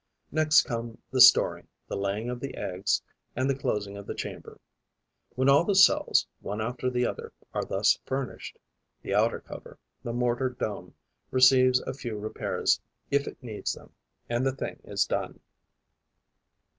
Next come the storing, the laying of the eggs and the closing of the chamber. When all the cells, one after the other, are thus furnished, the outer cover, the mortar dome, receives a few repairs if it needs them; and the thing is done.